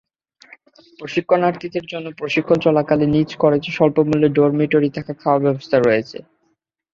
প্রশিক্ষণার্থীদের জন্য প্রশিক্ষণ চলাকালে নিজ খরচে স্বল্পমূল্যে ডরমিটরি থাকা-খাওয়ার ব্যবস্থা রয়েছে।